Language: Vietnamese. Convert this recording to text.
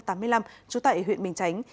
trú tại huyện bình chánh